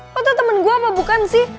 lo tuh temen gue apa bukan sih